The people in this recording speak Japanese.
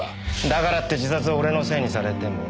だからって自殺を俺のせいにされても。